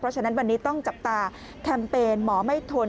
ฉะนั้นวันนี้ต้องจับตาแคมเปญหมอไม่ทน